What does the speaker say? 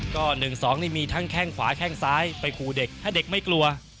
ก็๑๒นี่มีทั้งแข้งขวาแข้งซ้ายไปขู่เด็กถ้าเด็กไม่กลัว